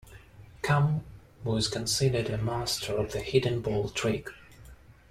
Kamm was considered a master of the hidden ball trick.